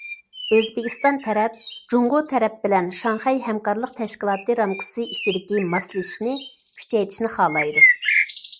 ئۆزبېكىستان تەرەپ جۇڭگو تەرەپ بىلەن شاڭخەي ھەمكارلىق تەشكىلاتى رامكىسى ئىچىدىكى ماسلىشىشنى كۈچەيتىشنى خالايدۇ.